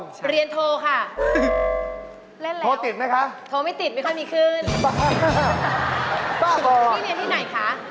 พี่เรียนที่ไหนครัะปุ่มพี่เรียนที่ไหน